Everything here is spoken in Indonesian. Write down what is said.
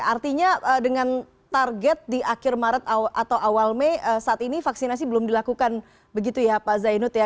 artinya dengan target di akhir maret atau awal mei saat ini vaksinasi belum dilakukan begitu ya pak zainud ya